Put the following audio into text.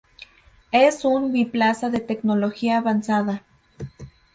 Es un biplaza de tecnología avanzada.